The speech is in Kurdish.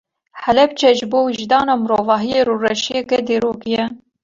Helepçe ji bo wijdana mirovahiyê rûreşiyeke dîrokî ye.